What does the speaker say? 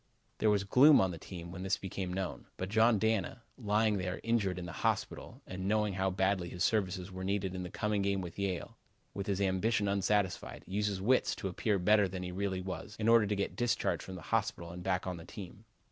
There was gloom on the team when this became known. But John Dana, lying there injured in the hospital, and knowing how badly his services were needed in the coming game with Yale, with his ambition unsatisfied, used his wits to appear better than he really was in order to get discharged from the hospital and back on the team.